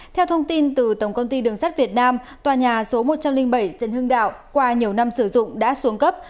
theo thông tin từ tổng công ty đường sắt việt nam tòa nhà số một trăm linh bảy trần hưng đạo qua nhiều năm sử dụng đã xuống cấp